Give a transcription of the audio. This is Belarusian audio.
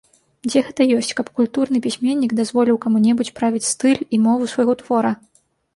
Дзе гэта ёсць, каб культурны пісьменнік дазволіў каму-небудзь правіць стыль і мову свайго твора?